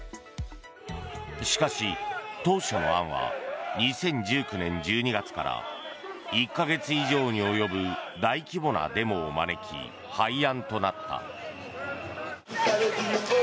しかし、当初の案は２０１９年１２月から１か月以上に及ぶ大規模なデモを招き廃案となった。